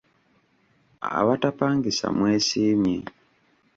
Abatapangisa mwesiimye.